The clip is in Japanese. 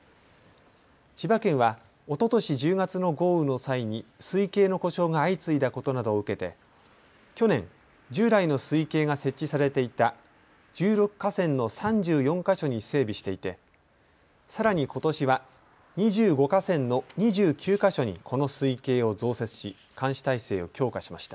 千葉県はおととし１０月の豪雨の際に水位計の故障が相次いだことなどを受けて去年、従来の水位計が設置されていた１６河川の３４か所に整備していてさらにことしは２５河川の２９か所にこの水位計を増設し監視体制を強化しました。